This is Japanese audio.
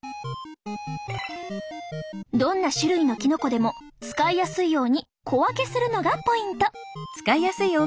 どんな種類のきのこでも使いやすいように小分けするのがポイント。